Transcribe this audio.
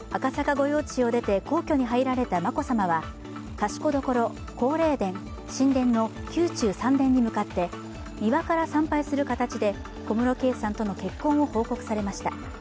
御用地を出て皇居に入られた眞子さまは賢所、皇霊殿、神殿の宮中三殿に向かって庭から参拝する形で小室圭さんとの結婚を報告されました。